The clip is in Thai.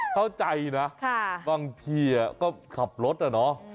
เข้าใจนะบางทีก็ขับรถอะเนาะ